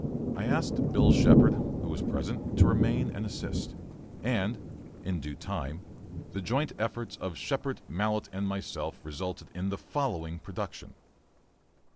I asked Bill Shepard, who was present, to remain and assist, and, in due time, the joint efforts of Shepard, Mallett, and myself resulted in the following production.